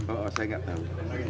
oh saya nggak tahu